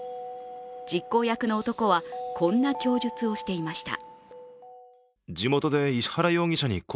実行役の男は、こんな供述をしていました。